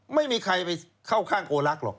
ไม่มีใครไปเข้าข้างโกลักษ์หรอก